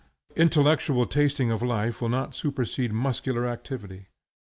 Intellectual tasting of life will not supersede muscular activity.